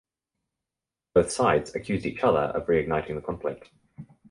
Both sides accused each other of reigniting the conflict.